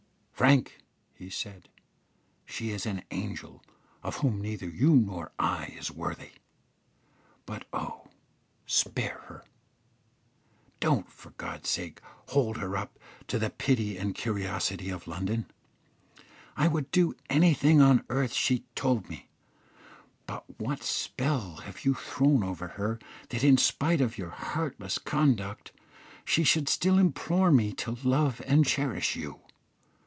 "Frank," he said, "she is an angel of whom neither you nor I is worthy; but oh, spare her! Don't, for God's sake hold her up to the pity and curiosity of London. I would do anything on earth she told me; but what spell have you thrown over her that in spite of your heartless conduct she should still implore me to love and cherish you?